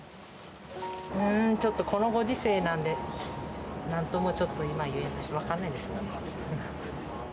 ちょっとこのご時世なんで、なんともちょっと今言えない、分かんないです。